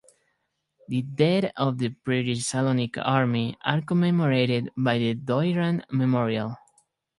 The dead of the British Salonika Army are commemorated by the Doiran Memorial.